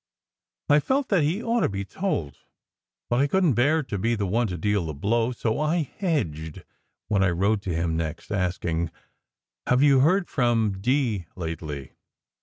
I felt that he ought to be told, but I couldn t bear to be the one to deal the blow, so I hedged when I wrote to him next, asking, "Have you heard from D ... lately?"